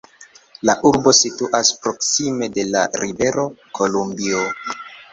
La urbo situas proksime de la Rivero Kolumbio.